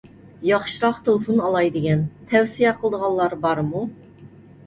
ياخشىراق تېلېفون ئالاي دېگەن. تەۋسىيە قىلىدىغانلار بارمۇ؟